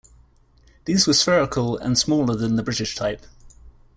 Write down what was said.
These were spherical and smaller than the British type.